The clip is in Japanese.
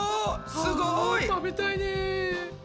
すごい！あ食べたいね。